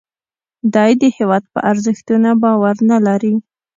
دی د هیواد په ارزښتونو باور نه لري